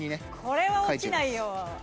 これは落ちないよ